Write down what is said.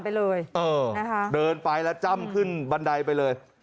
ไปละอ่อเดินไปแล้วจ่ำขึ้นบันใดไปเลย